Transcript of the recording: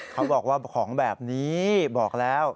เขาบอกว่าของแบบนี้บอกแล้ว